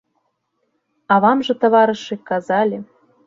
А вам жа, таварышы, казалі.